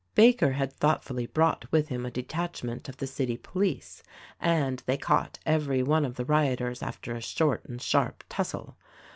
Baker had thoughtfully brought with him a detachment of the city police, and they caught every one of the rioters after a short and sharp tussle.